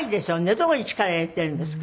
どこに力入れてるんですか？